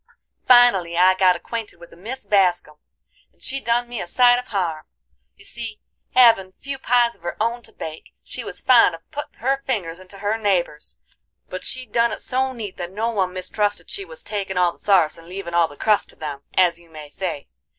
"Finally I got acquainted with a Mis Bascum, and she done me a sight of harm. You see, havin' few pies of her own to bake, she was fond of puttin' her fingers into her neighborses, but she done it so neat that no one mistrusted she was takin' all the sarce and leavin' all the crust to them, as you may say.